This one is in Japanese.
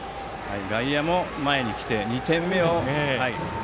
外野も前に来て２点目を。